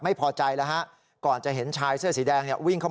ไม่พอใจแล้วฮะก่อนจะเห็นชายเสื้อสีแดงเนี่ยวิ่งเข้ามา